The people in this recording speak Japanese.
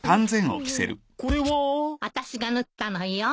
んっこれは？あたしが縫ったのよ。